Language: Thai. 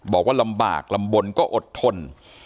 บอกว่าลำบากลำบลก็อดทน